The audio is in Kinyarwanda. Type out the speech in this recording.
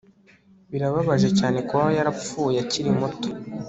Birababaje cyane kuba yarapfuye akiri muto